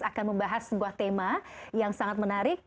akan membahas sebuah tema yang sangat menarik